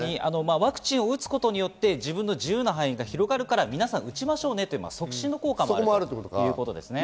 ワクチン打つことによって自由の範囲が広がるから皆さん、打ちましょうねという促進の効果もあるということですね。